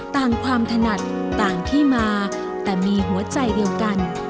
ต่างความถนัดต่างที่มาแต่มีหัวใจเดียวกัน